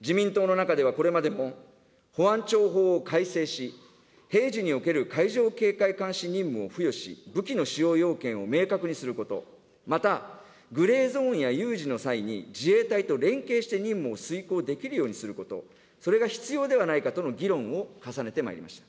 自民党の中では、これまでも保安庁法を改正し、平時における海上警戒監視任務を付与し、武器の使用要件を明確にすること、また、グレーゾーンや有事の際に、自衛隊と連携して任務を遂行できるようにすること、それが必要ではないかとの議論を重ねてまいりました。